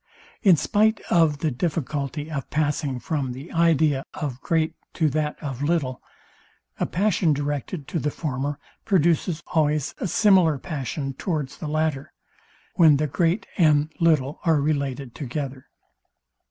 In spite of the difficulty of passing from the idea of great to that of little, a passion directed to the former, produces always a similar passion towards the latter; when the great and little are related together.